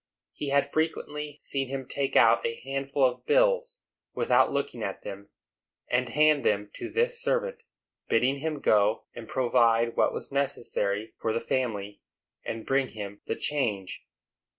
He had frequently seen him take out a handful of bills, without looking at them, and hand them to this servant, bidding him go and provide what was necessary for the family, and bring him the change.